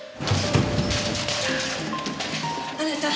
あなた！